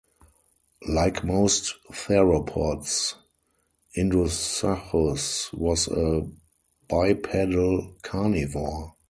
Like most theropods, "Indosuchus" was a bipedal carnivore.